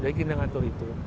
jadi kita ngatur itu